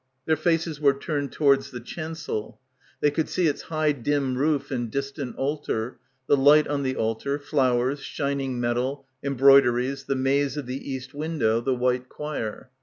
Their faces were turned towards the chancel. They could see its high dim roof and distant altar, the light on the altar, flowers, shining metal, embroideries, the maze of the east window, the white choir.